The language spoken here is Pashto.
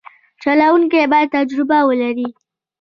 چلوونکی باید تجربه ولري.